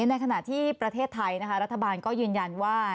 ในขณะที่ประเทศไทยรัฐบาลก็ยืนยันว่า